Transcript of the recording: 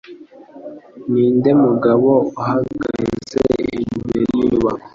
Ninde mugabo uhagaze imbere yinyubako?